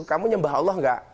kamu nyembah allah nggak